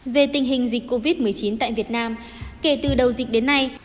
về tình hình dịch covid một mươi chín tại việt nam kể từ đầu dịch đến nay